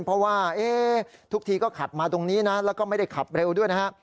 เพราะว่าทุกทีก็ขับมาตรงนี้นะแล้วก็ไม่ได้ขับเร็วด้วยนะฮะ